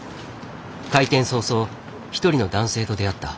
開店早々一人の男性と出会った。